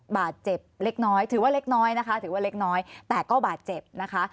บาดเจ็บเล็กน้อยถือว่าเล็กน้อยนะคะถือว่าเล็กน้อยแต่ก็บาดเจ็บนะคะ